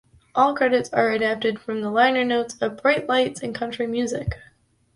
All credits are adapted from the liner notes of "Bright Lights and Country Music".